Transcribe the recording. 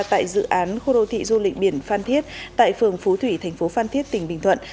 tại dự án khu đô thị du lịch biển phan thiết tại phường phú thủy thành phố phan thiết tỉnh bình thuận